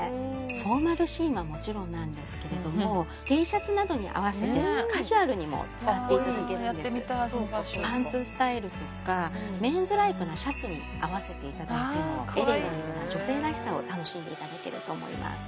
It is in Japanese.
フォーマルシーンはもちろんなんですけれどもＴシャツなどに合わせてカジュアルにも使っていただけるんですパンツスタイルとかメンズライクなシャツに合わせていただいてもエレガントな女性らしさを楽しんでいただけると思います